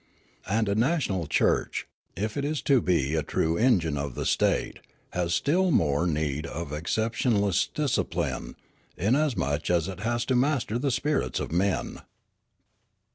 And a national church, if it is to be a true engine of the state, has still more need of exceptionless discipline, inas much as it has to master the spirits of men.